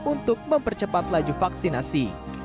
untuk mempercepat laju vaksinasi